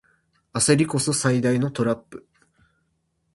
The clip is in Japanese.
焦りこそ最大のトラップ